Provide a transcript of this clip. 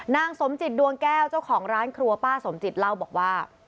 นางสมจิตดวงแก้วเจ้าของร้านครัวป้าสมจิตเล่าบอกว่า